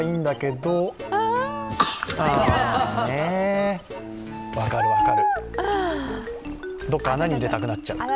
どっか穴に入れたくなっちゃう。